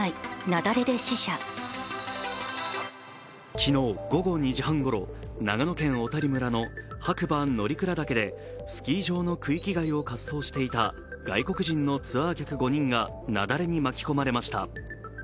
昨日、午後２時半ごろ、長野県小谷村の白馬乗鞍岳で、スキー場の区域外を滑走していた外国人のツアー客５人が雪崩に巻き込まれました。